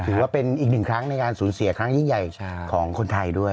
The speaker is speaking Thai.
ถือว่าเป็นอีกหนึ่งครั้งในการสูญเสียครั้งยิ่งใหญ่ของคนไทยด้วย